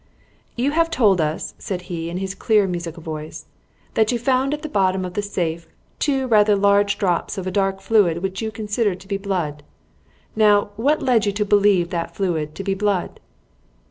"You have told us," said he, in his clear musical voice, "that you found at the bottom of the safe two rather large drops of a dark fluid which you considered to be blood. Now, what led you to believe that fluid to be blood?"